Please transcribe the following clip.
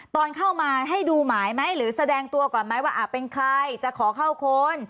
ตอนเข้ามาให้ดูหมายไหมหรือแสดงตัวก่อนไหมว่าเป็นใครจะขอเข้าคน